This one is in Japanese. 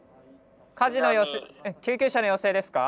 火事の救急車の要請ですか？